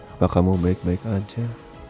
apa kamu baik baik aja